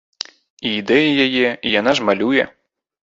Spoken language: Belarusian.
І ідэі яе, і яна ж малюе.